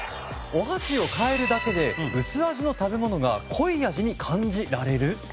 お箸を変えるだけで薄味の食べ物が濃い味に感じられる？